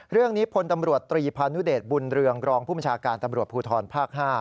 เรื่องนี้พลตำรวจตรีพานุเดชบุญเรืองรองผู้บัญชาการตำรวจภูทรภาค๕